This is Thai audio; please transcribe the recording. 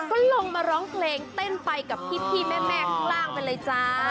ก็ลงมาร้องเพลงเต้นไปกับพี่แม่ข้างล่างไปเลยจ้า